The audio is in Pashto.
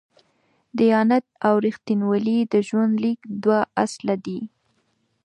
دیانت او رښتینولي د ژوند لیک دوه اصله دي.